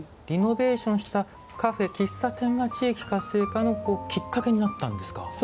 リノベーションしたカフェ・喫茶店が地域活性化のきっかけになったんですか？